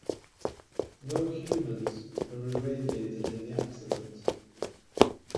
No humans were irradiated in the accident.